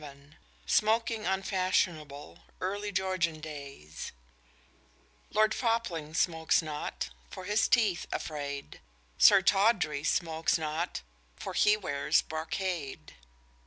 VII SMOKING UNFASHIONABLE: EARLY GEORGIAN DAYS Lord Fopling smokes not for his teeth afraid; Sir Tawdry smokes not for he wears brocade.